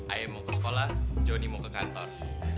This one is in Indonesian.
ayo mau ke sekolah jonny mau ke kantor